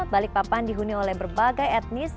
balikpapan dihuni oleh berbagai etnis